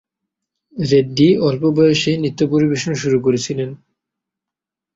রেড্ডি অল্প বয়সেই নৃত্য পরিবেশন শুরু করেছিলেন।